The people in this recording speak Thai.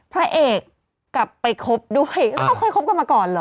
พระเอกกลับไปคบด้วยแล้วเขาเคยคบกันมาก่อนเหรอ